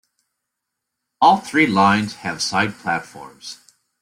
All three lines have side platforms.